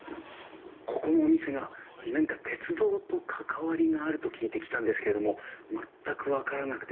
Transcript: ここのお店が何か鉄道と関わりがあると聞いて来たんですけれども全く分からなくてですね